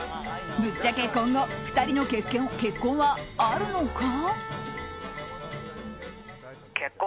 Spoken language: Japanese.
ぶっちゃけ、今後２人の結婚はあるのか？